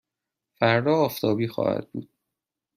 فردا آفتابی خواهد بود.